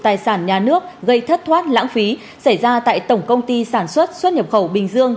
tài sản nhà nước gây thất thoát lãng phí xảy ra tại tổng công ty sản xuất xuất nhập khẩu bình dương